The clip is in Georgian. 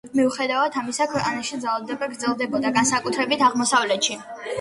მიუხედავად ამისა ქვეყანაში ძალადობა გრძელდებოდა, განსაკუთრებით აღმოსავლეთში.